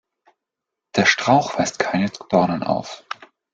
Der Strauch weist keine Dornen auf.